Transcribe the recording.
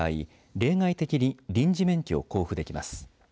例外的に臨時免許を交付できます。